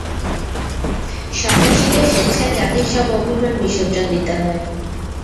সন্ন্যাসীকে স্বেচ্ছায় জাতির সব অভিমান বিসর্জন দিতে হয়।